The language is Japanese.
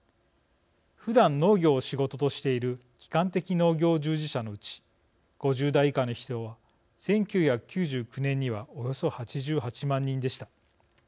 ふだん農業を仕事としている基幹的農業従事者のうち５０代以下の人は１９９９年にはおよそ８８万人でした。